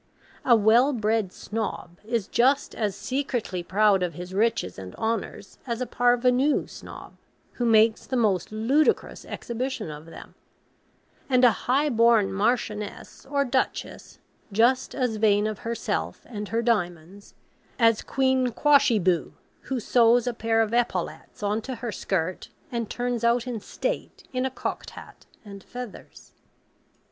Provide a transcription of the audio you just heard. A well bred Snob is just as secretly proud of his riches and honours as a PARVENU Snob who makes the most ludicrous exhibition of them; and a high born Marchioness or Duchess just as vain of herself and her diamonds, as Queen Quashyboo, who sews a pair of epaulets on to her skirt, and turns out in state in a cocked hat and feathers.